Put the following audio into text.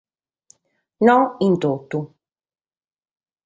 No in totu!